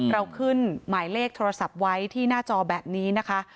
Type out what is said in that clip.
เราขึ้นหมายเลขโทรศัพท์ไว้ที่หน้าจอแบบนี้นะคะ